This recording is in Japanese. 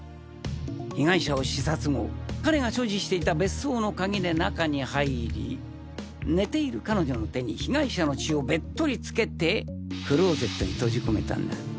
被害者を刺殺後彼が所持していた別荘の鍵で中に入り寝ている彼女の手に被害者の血をベットリ付けてクローゼットに閉じ込めたんだ。